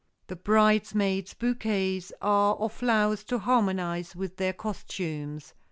The bridesmaids' bouquets are of flowers to harmonize with their costumes.